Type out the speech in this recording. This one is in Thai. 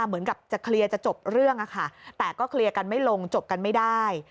เหมือนกับจะเคลียร์จะจบเรื่องอะค่ะแต่ก็เคลียร์กันไม่ลงจบกันไม่ได้